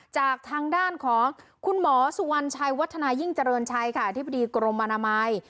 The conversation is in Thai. จากทางด้านของคุณหมอสุวรรณชัยวัฒนายิ่งเจริญชัยค่ะอธิบดีกรมอนามัย